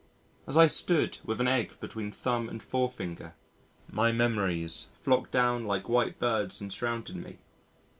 As I stood with an egg between thumb and forefinger, my memories flocked down like white birds and surrounded me.